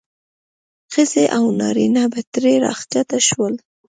ښځې او نارینه به ترې راښکته شول.